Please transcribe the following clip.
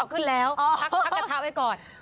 ขึ้นแล้วพักกระทะไว้ก่อน